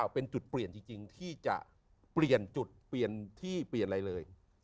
เป็นจุดเปลี่ยนจริงที่จะเปลี่ยนจุดเปลี่ยนที่เปลี่ยนอะไรเลย